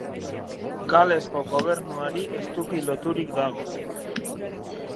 Galesko Gobernuari estuki loturik dago.